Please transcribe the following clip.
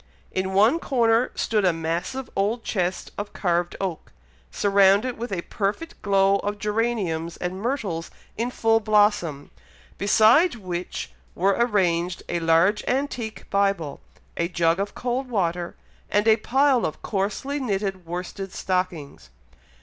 In one corner stood a massive old chest of carved oak, surrounded with a perfect glow of geraniums and myrtles in full blossom; beside which were arranged a large antique Bible, a jug of cold water, and a pile of coarsely knitted worsted stockings.